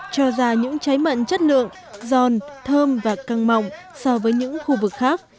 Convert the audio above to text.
cho ra những trái mận chất lượng giòn thơm và căng mỏng so với những khu vực khác